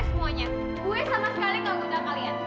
saya sama sekali tidak menggunakan kalian